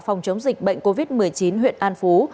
phòng chống dịch bệnh covid một mươi chín huyện an phú